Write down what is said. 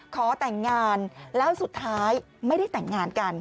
ขอแต่งงานแล้วสุดท้ายไม่ได้แต่งงานกัน